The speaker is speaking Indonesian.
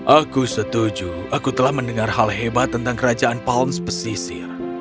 aku setuju aku telah mendengar hal hebat tentang kerajaan palms pesisir